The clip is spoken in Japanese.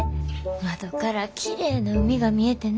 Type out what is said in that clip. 窓からきれいな海が見えてな。